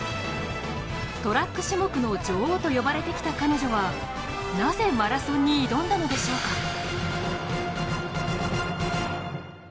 トラック種目の女王と呼ばれてきた彼女はなぜマラソンに挑んだのでしょうか。